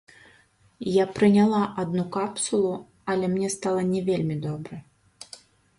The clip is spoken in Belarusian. Я прыняла адну капсулу, але мне стала не вельмі добра.